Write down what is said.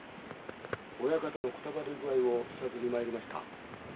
親方のくたばり具合を視察に参りました。